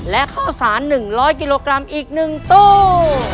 และข้าวสาร๑๐๐กิโลกรัมอีก๑ตู้